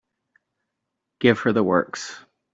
Give her the works.